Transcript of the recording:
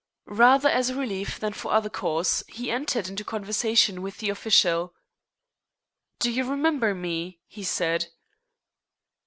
Rather as a relief than for other cause he entered into conversation with the official. "Do you remember me?" he said.